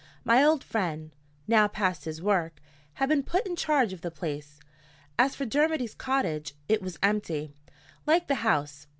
My old friend, "now past his work," had been put in charge of the place. As for Dermody's cottage, it was empty, like the house.